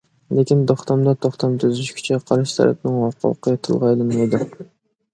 لېكىن، توختامدا توختام تۈزۈشكۈچى قارشى تەرەپنىڭ ھوقۇقى تىلغا ئېلىنمايدۇ.